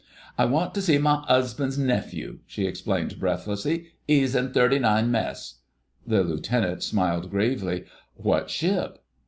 "I want to see my 'usband's nephew," she explained breathlessly; "'e's in 39 Mess." The Lieutenant smiled gravely. "What ship?"